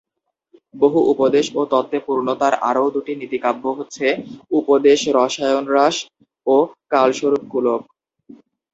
বহু উপদেশ ও তত্ত্বে পূর্ণ তাঁর আরও দুটি নীতিকাব্য হচ্ছে উপদেশরসায়নরাস ও কালস্বরূপকুলক।